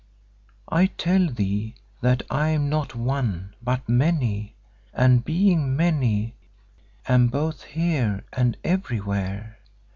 I tell thee that I am not One but Many and, being many, am both Here and Everywhere.